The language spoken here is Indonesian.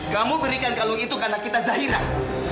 kamu berikan kalung itu karena kita zahiran